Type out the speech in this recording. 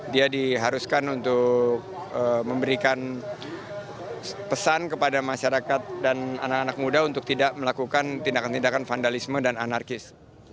dia diharuskan untuk memberikan pesan kepada masyarakat dan anak anak muda untuk tidak melakukan tindakan tindakan vandalisme dan anarkis